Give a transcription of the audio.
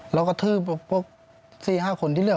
แล้วก็ขทืบพวก๔๕คนที่เหลือ